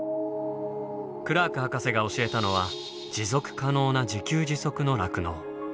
クラーク博士が教えたのは持続可能な自給自足の酪農。